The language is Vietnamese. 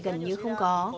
gần như không có